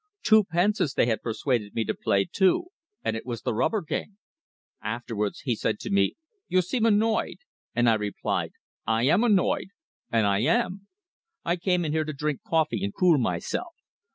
Two pences they had persuaded me to play, too, and it was the rubber game. Afterwards he said to me: 'You seem annoyed'; and I replied 'I am annoyed,' and I am. I come in here to drink coffee and cool myself.